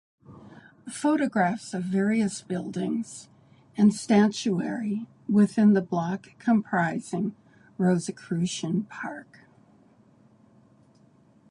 Photographs of various buildings and statuary within the block comprising Rosicrucian Park.